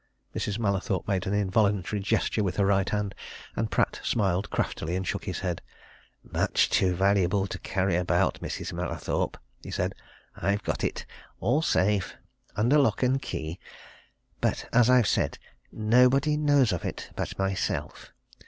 Mrs. Mallathorpe made an involuntary gesture with her right hand. And Pratt smiled, craftily, and shook his head. "Much too valuable to carry about, Mrs. Mallathorpe," he said. "I've got it all safe under lock and key. But as I've said nobody knows of it but myself.